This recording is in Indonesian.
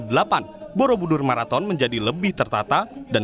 dan borobudur marathon menjadi lebih tertata dan lebih berharga